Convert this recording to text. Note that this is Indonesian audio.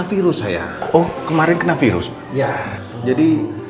virus saya oh kemarin kena virus ya jadi